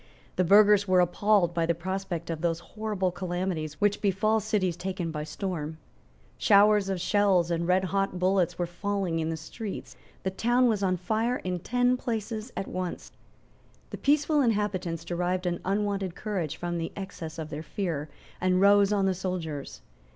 The burghers were appalled by the prospect of those horrible calamities which befall cities taken by storm. Showers of shells and redhot bullets were falling in the streets. The town was on fire in ten places at once. The peaceful inhabitants derived an unwonted courage from the excess of their fear, and rose on the soldiers.